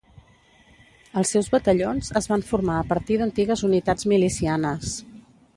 Els seus batallons es van formar a partir d'antigues unitats milicianes.